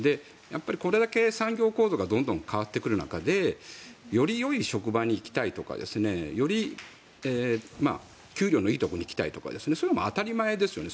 これだけ産業構造がどんどん変わってくる中でよりよい職場に行きたいとかより、給料のいいところに行きたいとかそういうのは当たり前ですよね。